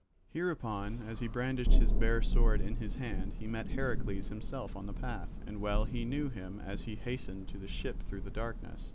Hereupon as he brandished his bare sword in his hand he met Heracles himself on the path, and well he knew him as he hastened to the ship through the darkness.